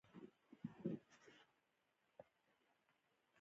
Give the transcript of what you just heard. ازادي راډیو د چاپیریال ساتنه په اړه پرله پسې خبرونه خپاره کړي.